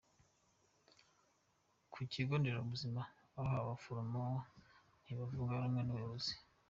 Ku kigo nderabuzima bamwe mu baforomo nti bavuga rumwe n’ubuyobozi